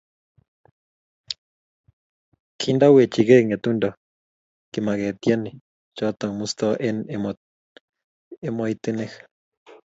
Kindawechikei ngetundo, kimaketieni choto musto eng emoitinik